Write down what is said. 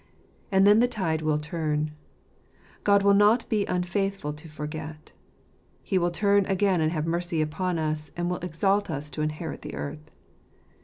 And then the tide will turn: God will not be unfaithful to forget; He will turn again and have mercy upon us, and will exalt us to inherit the earth.